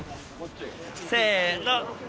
せの。